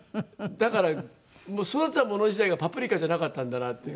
だから育てたもの自体がパプリカじゃなかったんだなっていう。